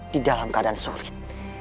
di dalam keadaan sulit